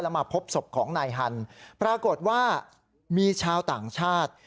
มาพบศพของนายฮันปรากฏว่ามีชาวต่างชาติ